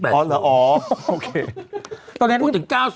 พูดถึง๙๐ถึง๒๕